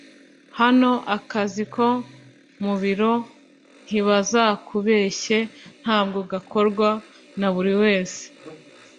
hano akazi ko mu biro ntibazakubeshye ntabwo gakorwa na buri wese